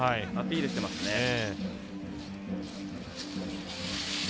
アピールしてますね。